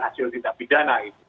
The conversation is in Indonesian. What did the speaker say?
hasil tindak pidana itu